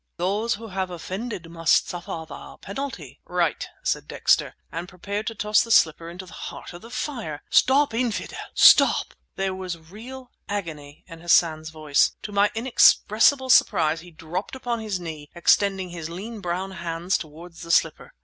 "Those who have offended must suffer the penalty!" "Right!" said Dexter—and prepared to toss the slipper into the heart of the fire! "Stop! Infidel! Stop!" There was real agony in Hassan's voice. To my inexpressible surprise he dropped upon his knee, extending his lean brown hands toward the slipper.